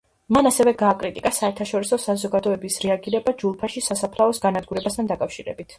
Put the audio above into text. მან ასევე გააკრიტიკა საერთაშორისო საზოგადოების რეაგირება ჯულფაში სასაფლაოს განადგურებასთან დაკავშირებით.